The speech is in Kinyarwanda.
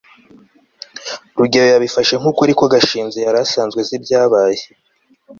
rugeyo yabifashe nk'ukuri ko gashinzi yari asanzwe azi ibyabaye